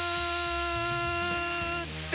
って